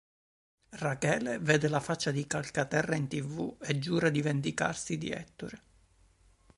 Rachele vede la faccia di Calcaterra in tv e giura di vendicarsi di Ettore.